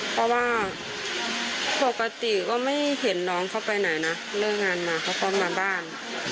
เพราะว่าปกติก็ไม่เห็นน้องเขาไปไหนนะเลิกงานมาเขาก็มาบ้าน